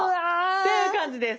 っていう感じです。